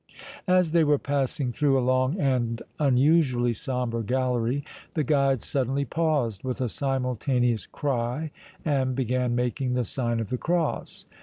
As they were passing through a long and unusually sombre gallery, the guides suddenly paused with a simultaneous cry and began making the sign of the cross.